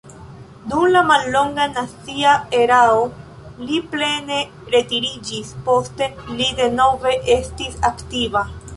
Dum la mallonga nazia erao li plene retiriĝis, poste li denove estis aktiva.